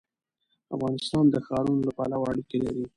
افغانستان د ښارونو له پلوه اړیکې لري.